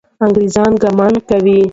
انګریزان ګمان کاوه.